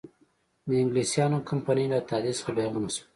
د انګلیسیانو کمپنۍ له تهدید څخه بېغمه شول.